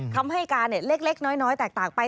คำให้การเล็กน้อยแตกต่างไป